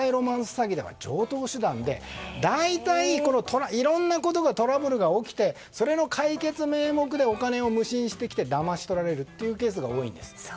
詐欺では常套手段で大体、いろんなことがトラブルが起きてそれの解決名目でお金を無心してきてだまし取られるというケースが多いんです。